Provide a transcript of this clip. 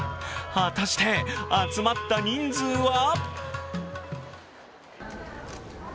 果たして集まった人数は？